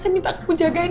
saya minta kamu jagain